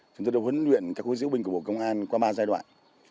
chúng tôi đã huấn luyện các khối diễu binh của bộ công an qua ba giai đoạn